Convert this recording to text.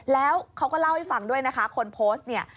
แล้วเขาก็เล่าให้ฟังด้วยนะคะคนโพสต์เนี่ย